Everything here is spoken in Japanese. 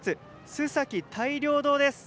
須崎大漁堂です。